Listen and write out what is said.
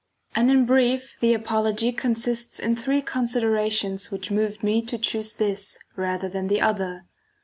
And in brief II. a, h,c. the apology consists in three considerations which moved me to choose this rather than the other.